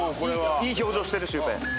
いい表情してるシュウペイ。